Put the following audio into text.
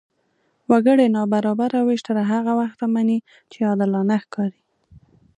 وګړي نابرابره وېش تر هغه وخته مني، چې عادلانه ښکاري.